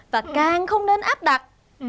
và càng không nên áp đặt